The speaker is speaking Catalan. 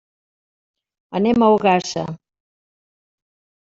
Anem a Ogassa.